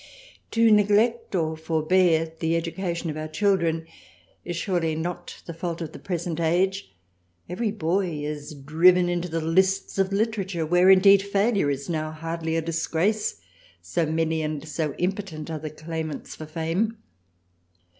To neglect or forbear the Education of our Children is surely not the fault of the present Age, every Boy is driven into the Lists of Literature where indeed failure is now scarcely a Disgrace, so many and so impotent are the Claimants for Fame.